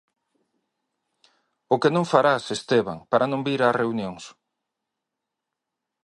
O que non farás, Esteban, para non vir as reunións...